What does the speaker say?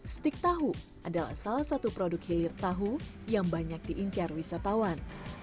stik tahu adalah salah satu produk hilir tahu yang banyak diincar wisatawan